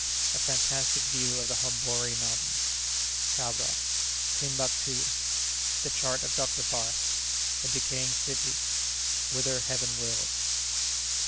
—A Fantastic View of the Hombori Mountains.—Kabra.—Timbuctoo.—The Chart of Dr. Barth.—A Decaying City.—Whither Heaven wills.